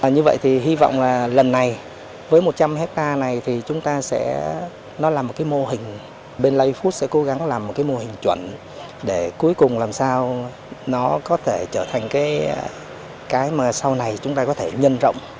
như vậy thì hy vọng là lần này với một trăm linh hectare này thì chúng ta sẽ nó là một cái mô hình bên live food sẽ cố gắng làm một cái mô hình chuẩn để cuối cùng làm sao nó có thể trở thành cái mà sau này chúng ta có thể nhân rộng